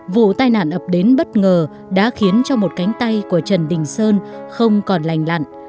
vụ tai nạn ập đến bất ngờ đã khiến cho một cánh tay của trần đình sơn không còn lành lặn